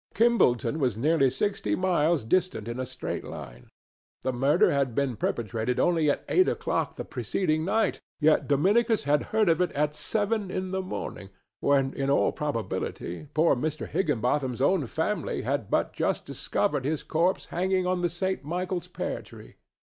Kimballton was nearly sixty miles distant in a straight line; the murder had been perpetrated only at eight o'clock the preceding night, yet Dominicus had heard of it at seven in the morning, when, in all probability, poor Mr. Higginbotham's own family had but just discovered his corpse hanging on the St. Michael's pear tree.